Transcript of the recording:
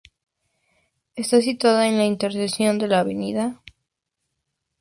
Está situada en la intersección de la Av.